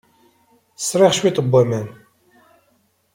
Sriɣ cwiṭ n waman.